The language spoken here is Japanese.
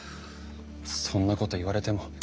そんなこと言われても。